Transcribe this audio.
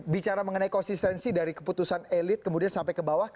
bicara mengenai konsistensi dari keputusan elit kemudian sampai ke bawah